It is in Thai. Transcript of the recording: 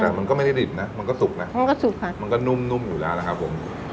แต่มันก็ไม่ได้ดิบนะมันก็สุกนะมันก็สุกค่ะมันก็นุ่มนุ่มอยู่แล้วนะครับผม